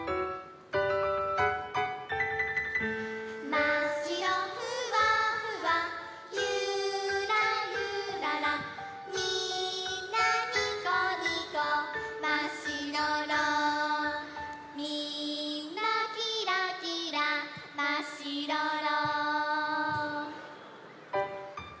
「まっしろふわふわゆーらゆらら」「みーんなにこにこまっしろろ」「みーんなきらきらまっしろろ」